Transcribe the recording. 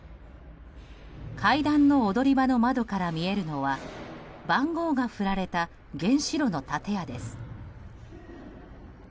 階段の踊り場の窓から見えるのは番号が振られた原子炉の建屋です。